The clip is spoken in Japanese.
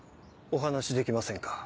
お話しできませんか？